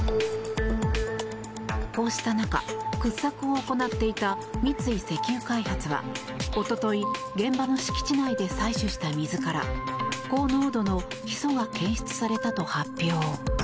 こうした中掘削を行っていた三井石油開発はおととい現場の敷地内で採取した水から高濃度のヒ素が検出されたと発表。